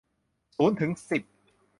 ศูนย์ถึงสิบ